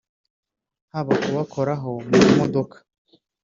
haba kubakoraho mu mamodoka